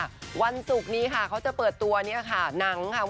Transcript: คนสุพรรณเหมือนกันเนอะ